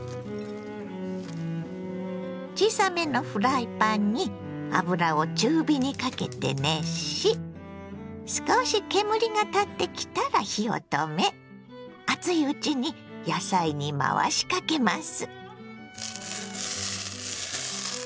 小さめのフライパンに油を中火にかけて熱し少し煙が立ってきたら火を止め熱いうちに野菜に回しかけます。